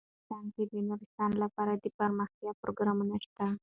افغانستان کې د نورستان لپاره دپرمختیا پروګرامونه شته.